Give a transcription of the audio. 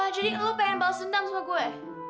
jadi lo pengen balas dendam sama gue